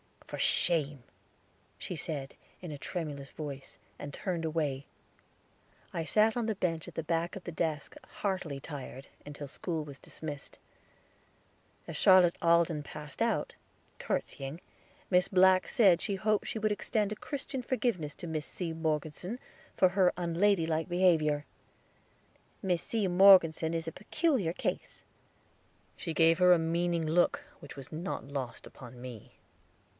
"For shame," she said, in a tremulous voice, and turned away. I sat on the bench at the back of the desk, heartily tired, till school was dismissed; as Charlotte Alden passed out, courtesying, Miss Black said she hoped she would extend a Christian forgiveness to Miss C. Morgeson, for her unladylike behavior. "Miss C. Morgeson is a peculiar case." She gave her a meaning look, which was not lost upon me.